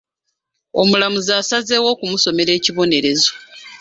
Omulamuzi asazeewo okumusomera ekibonerezo.